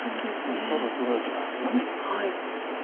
ただ取られただけじゃね。